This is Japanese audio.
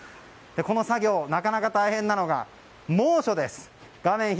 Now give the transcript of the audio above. この作業、なかなか大変なのが猛暑です。